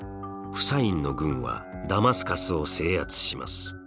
フサインの軍はダマスカスを制圧します。